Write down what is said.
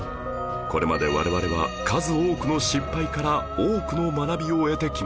これまで我々は数多くの失敗から多くの学びを得てきました